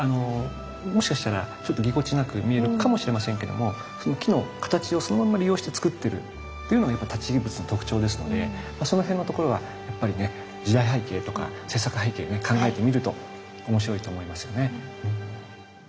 もしかしたらちょっとぎこちなく見えるかもしれませんけどもその木の形をそのまま利用してつくってるっていうのがやっぱり立木仏の特徴ですのでその辺のところはやっぱりね時代背景とか制作背景ね考えてみると面白いと思いますよね。